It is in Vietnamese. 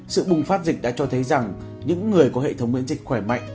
sự bùng phát dịch đã cho thấy rằng những người có hệ thống miễn dịch khỏe mạnh